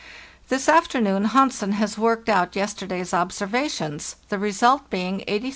"This afternoon Hansen has worked out yesterday's observations, the result being 83° 34.